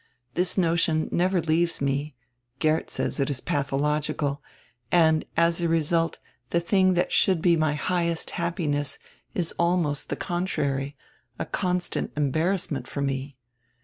This notion never leaves me (Geert says it is patiiological) and, as a result, the thing that should be my highest happiness is almost the contrary, a constant embarrassment for me.